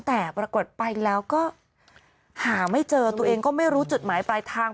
แต่ปรากฏไปแล้วก็หาไม่เจอตัวเองก็ไม่รู้จุดหมายปลายทาง